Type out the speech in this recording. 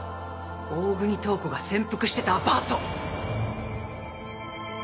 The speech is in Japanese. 大國塔子が潜伏してたアパート！